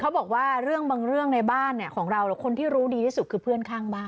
บอกว่าเรื่องบางเรื่องในบ้านของเราคนที่รู้ดีที่สุดคือเพื่อนข้างบ้าน